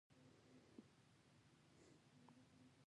احمد له ناروغۍ ورسته بېرته و غوړېدو. خپل رنګ یې ځای ته راغی.